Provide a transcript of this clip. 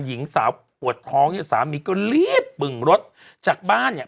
หญิงสาวปวดท้องเนี่ยสามีก็รีบบึงรถจากบ้านเนี่ย